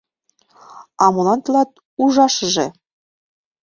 — А молан тылат ужашыже?